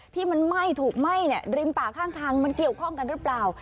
ที่มันไหม้ถูกไหม้ริมป่าข้างทางมันเกี่ยวข้องกันหรือเปล่า